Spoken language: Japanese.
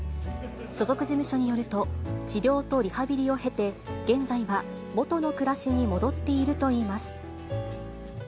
所属事務所によると、治療とリハビリを経て、現在は元の暮らしに戻っているといいます。